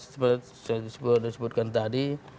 seperti yang disebutkan tadi